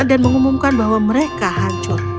dan mengumumkan bahwa mereka hancur